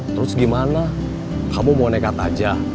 terus gimana kamu mau nekat aja